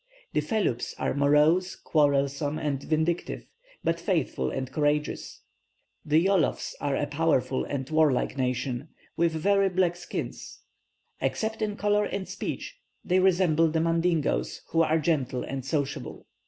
The Feloups are morose, quarrelsome, and vindictive, but faithful and courageous. The Yolofs are a powerful and warlike nation, with very black skins. Except in colour and speech, they resemble the Mandingoes, who are gentle and sociable.